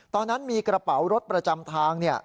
ตอนนั้นมีกระเป๋ารถประจำทาง